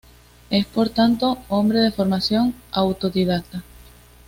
Es, por tanto, hombre de formación autodidacta.